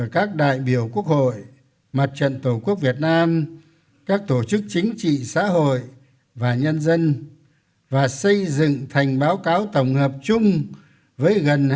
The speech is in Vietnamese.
các đại biểu quốc hội mặt trận tổ quốc việt nam các tổ chức chính trị xã hội và nhân dân và xây dựng thành báo cáo tổng hợp chung với gần hai trăm linh trang